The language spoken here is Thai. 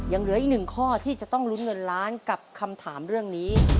ยังเหลืออีกหนึ่งข้อที่จะต้องลุ้นเงินล้านกับคำถามเรื่องนี้